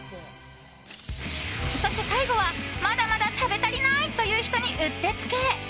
そして、最後はまだまだ食べ足りないという人にうってつけ。